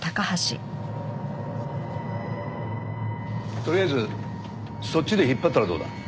とりあえずそっちで引っ張ったらどうだ？